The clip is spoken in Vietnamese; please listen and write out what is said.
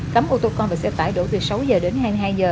cấm ô tô con và xe tải đổ từ sáu h đến hai mươi hai h